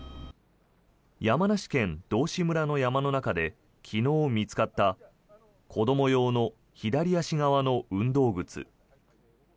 山梨県道志村の山の中で昨日見つかった子ども用の左足側の運動靴。